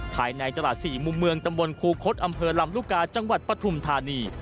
ภายในตลาด๔มุมเมืองตำบลครูคดอำเภอลำลูกกาจังหวัดปฐุมธานี